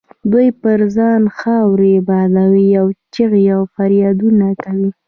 دوی پر ځان خاورې بادوي، چیغې او فریادونه کوي.